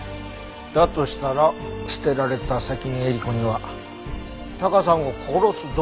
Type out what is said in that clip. だとしたら捨てられた関根えり子にはタカさんを殺す動機があるよね。